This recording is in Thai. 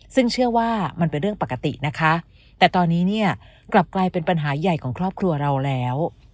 ซึ่งเชื่อว่ามันเป็นเรื่องปกตินะคะแต่ตอนนี้เนี่ยกลับกลายเป็นปัญหาใหญ่ของครอบครัวเราแล้ว